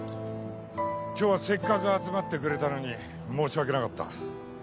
今日はせっかく集まってくれたのに申し訳なかった。